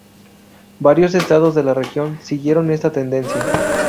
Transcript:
Varios estados de la región siguieron esta tendencia.